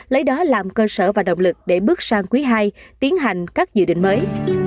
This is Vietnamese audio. hãy làm cơ sở và động lực để bước sang quý hai tiến hành các dự định mới